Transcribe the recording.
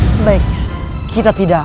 sebaiknya kita tidak